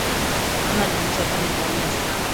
Mama alinichapa nikaumia sana